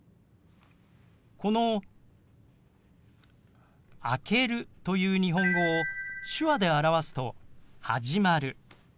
この「明ける」という日本語を手話で表すと「始まる」。